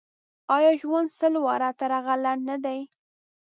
آیا ژوند سل واره تر هغه لنډ نه دی.